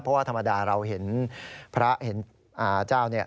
เพราะว่าธรรมดาเราเห็นพระเห็นเจ้าเนี่ย